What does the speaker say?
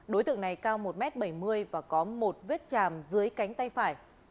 đối tượng này cao một m bảy mươi và có một vết chàm dưới cánh tay phải